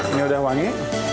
ini udah wangi